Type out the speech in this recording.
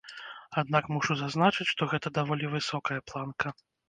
Аднак мушу зазначыць, што гэта даволі высокая планка.